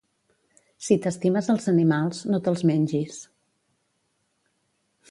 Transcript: Si t'estimes els animals, no te'ls mengis.